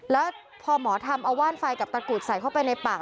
แล้วพอหมอทำเอาว่านไฟกับตะกรุดใส่เข้าไปในปาก